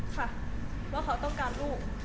ค่ะว่าเขาต้องการลูก